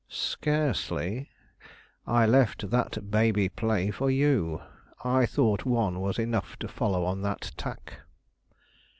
"Scarcely. I left that baby play for you. I thought one was enough to follow on that tack."